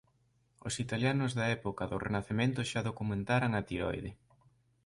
Os italianos da época do Renacemento xa documentaran a tiroide.